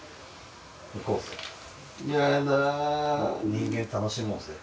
人間楽しもうぜ。